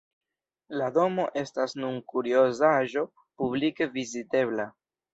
La domo estas nun kuriozaĵo publike vizitebla.